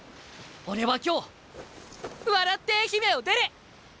俺は今日笑って愛媛を出る！